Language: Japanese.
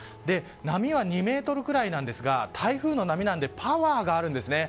波は２ｍくらいなんですが台風の波なのでパワーがあるんですね。